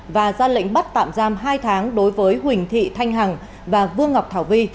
và ra lệnh bắt tạm giam hai tháng đối với huỳnh thị thanh hằng và vương ngọc thảo vi